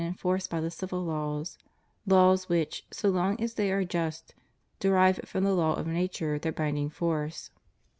enforced by the civil laws — laws which, so long as the}' are just, derive from the law of nature their binding force.